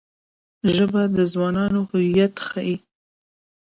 ژبه د ځوانانو هویت ښيي